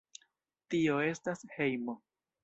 Tio estas hejmo.